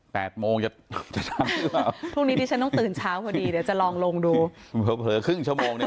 แปดโมงจะพรุ่งนี้ดิฉันต้องตื่นเช้าพอดีเดี๋ยวจะลองลงดูเผลอครึ่งชั่วโมงเนี่ย